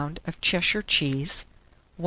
of Cheshire cheese, 1/4 lb.